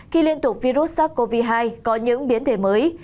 khi liên tục virus sars cov hai có những biến thể mới